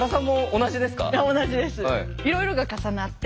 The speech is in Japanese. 同じです。